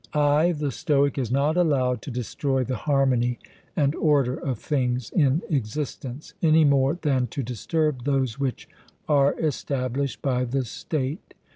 Ay, the Stoic is not allowed to destroy the harmony and order of things in existence, any more than to disturb those which are established by the state.